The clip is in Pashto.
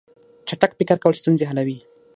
چټک فکر کول ستونزې حلوي.